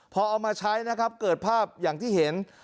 พอเอามาใช้นะครับเกิดภาพอย่างที่เห็น